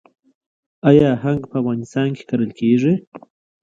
آیا هنګ په افغانستان کې کرل کیږي؟